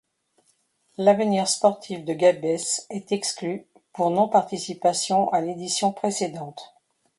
L'Avenir sportif de Gabès est exclu pour non participation à l’édition précédente.